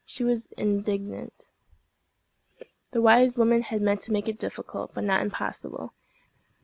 She was indignant. The wise woman had meant to make it difficult, but not impossible.